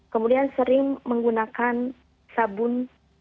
kemudian sering menggunakan sabun